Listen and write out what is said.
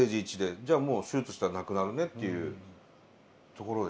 じゃあもう手術したらなくなるね」っていうところで。